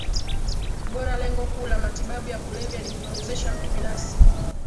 bora Lengo kuu la matibabu ya kulevya ni kumwezesha mtu binafsi